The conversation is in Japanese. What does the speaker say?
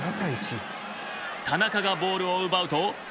田中がボールを奪うと。